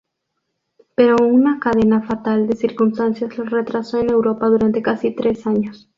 Pero una cadena fatal de circunstancias lo retrasó en Europa durante casi tres años.